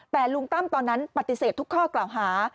แต่ลุงตั้มตอนนั้นปฏิเสธทุกข้อกล่าวหา